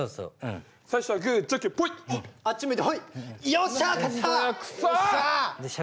よっしゃ！